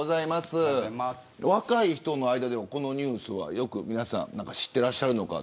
若い人の間でも、このニュースは皆さん知っていらっしゃるのか。